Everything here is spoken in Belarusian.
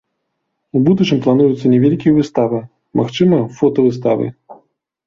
У будучым плануюцца невялікія выставы, магчыма фотавыставы.